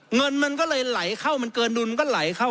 เงินมันก็เลยไหลเข้ามันเกินดุลมันก็ไหลเข้า